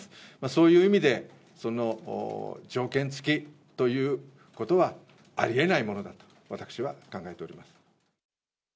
そういう意味で、条件付きということはありえないものだと私は考えております。